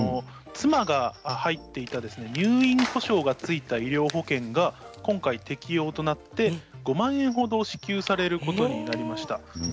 妻が入っていた入院保障がついた医療保険が今回、適用となって５万円ほど支給されることになりました。